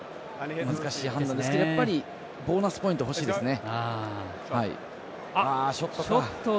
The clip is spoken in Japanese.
難しい判断ですけどやっぱりボーナスポイント欲しいですね。